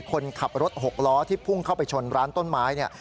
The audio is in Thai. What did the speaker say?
คนขับรถหกล้อที่พุ่งเข้าไปชนร้านต้นไม้เนี่ย